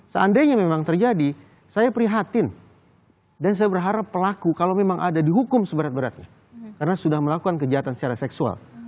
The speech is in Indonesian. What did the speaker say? seandainya memang terjadi saya prihatin dan saya berharap pelaku kalau memang ada dihukum seberat beratnya karena sudah melakukan kejahatan secara seksual